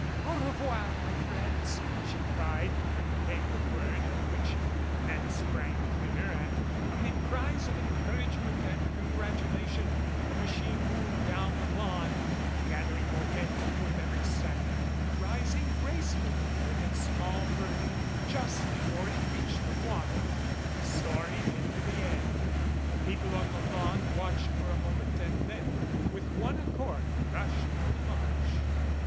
"Au revolr, my friends," she cried and gave the word, at which the men sprang clear, and amid cries of encour agement and congratulation the machine moved down the lawn, gathering momentum with every second, rising gracefully with its small burden just before it reached the water and soaring into the air. The people on the lawn 55 MADCAP watched for a moment and then with one accord rushed for the launch.